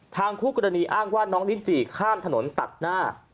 คู่กรณีอ้างว่าน้องลิ้นจี่ข้ามถนนตัดหน้า